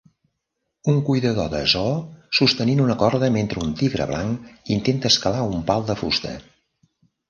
Un cuidador de zoo sostenint una corda mentre un tigre blanc intenta escalar un pal de fusta.